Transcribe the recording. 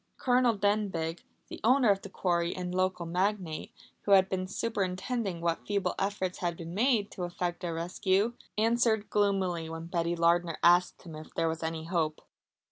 Colonel Denbigh, the owner of the quarry and local magnate, who had been superintending what feeble efforts had been made to effect a rescue, answered gloomily when Betty Lardner asked him if there were any hope.